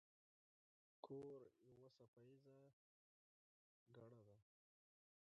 کور یوه څپه ایزه ګړه ده.